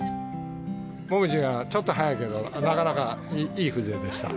モミジがちょっと早いけど、なかなかいい風情でした。